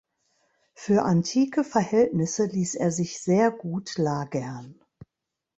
Für antike Verhältnisse ließ er sich sehr gut lagern.